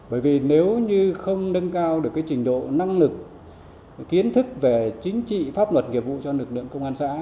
bởi vì nếu như không nâng cao được trình độ năng lực kiến thức về chính trị pháp luật nghiệp vụ cho lực lượng công an xã